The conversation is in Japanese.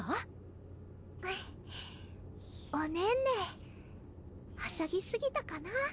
おねんねはしゃぎすぎたかな？